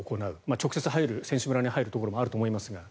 直接選手村に入るところもあると思いますが。